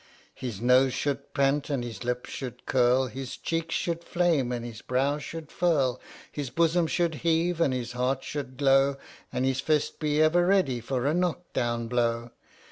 55 H.M.S. "PINAFORE" His nose should pant and his lip should curl, His cheeks should flame and his brow should furl, His bosom should heave and his heart should glow, And his fist be ever ready for a knock down blow.